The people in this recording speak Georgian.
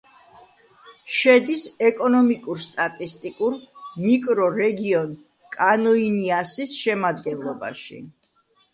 შედის ეკონომიკურ-სტატისტიკურ მიკრორეგიონ კანოინიასის შემადგენლობაში.